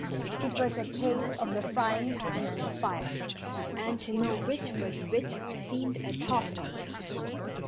It was a case of the frying pan and the fire, and to know which was which seemed a "toss up".